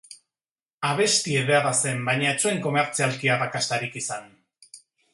Abesti ederra zen, baina ez zuen komertzialki arrakastarik izan.